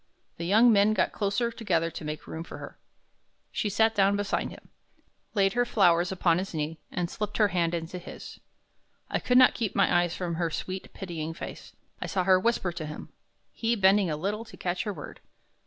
The young men got closer together to make room for her. She sat down beside him, laid her flowers upon his knee, and slipped her hand into his. I could not keep my eyes from her sweet, pitying face. I saw her whisper to him, he bending a little to catch her word.